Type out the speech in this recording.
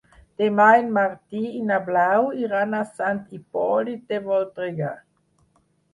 Demà en Martí i na Blau iran a Sant Hipòlit de Voltregà.